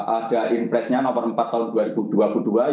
ada impresnya nomor empat tahun dua ribu dua puluh dua